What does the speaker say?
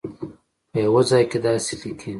په یوه ځای کې داسې لیکي.